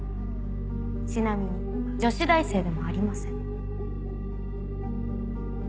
ちなみに女子大生でもありません。